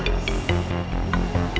kalau bapak nggak pergi nggak ada